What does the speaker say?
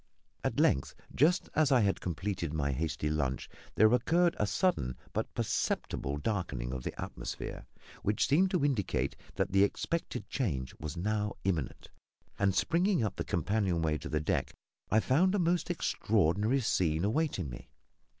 At length, just as I had completed my hasty lunch, there occurred a sudden but perceptible darkening of the atmosphere which seemed to indicate that the expected change was now imminent, and, springing up the companion way to the deck, I found a most extraordinary scene awaiting me.